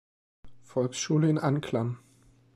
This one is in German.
Volksschule in Anklam.